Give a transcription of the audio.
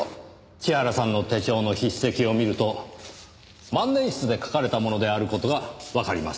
千原さんの手帳の筆跡を見ると万年筆で書かれたものである事がわかります。